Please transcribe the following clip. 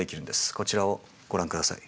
こちらをご覧下さい。